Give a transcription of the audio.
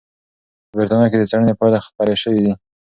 په بریتانیا کې د څېړنې پایلې خپرې شوې دي.